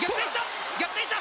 逆転した！